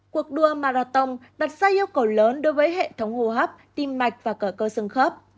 cuộc đua marathon đặt ra yêu cầu lớn đối với hệ thống hô hấp tim mạch và cờ cơ sương khớp